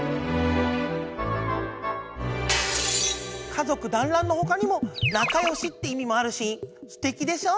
「家族だんらん」のほかにも「なかよし」って意味もあるしステキでしょ？